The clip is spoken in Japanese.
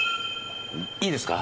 いいですか？